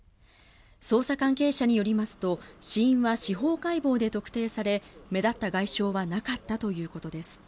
捜査関係者によりますと死因は司法解剖で特定され目立った外傷はなかったということです。